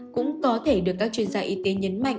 cũng có thể được các chuyên gia y tế nhấn mạnh